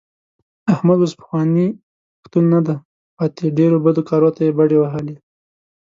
احمد اوس پخوانی پښتون نه دی پاتې. ډېرو بدو کارو ته یې بډې وهلې.